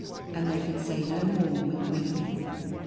and they could say no more with weeping.